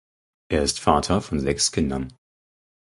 Er ist Vater von sechs Kindern.